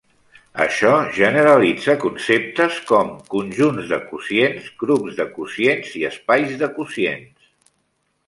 Això generalitza conceptes com conjunts de quocients, grups de quocients i espais de quocients.